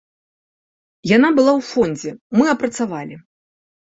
Яна была ў фондзе, мы апрацавалі.